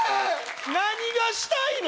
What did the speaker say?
何がしたいの？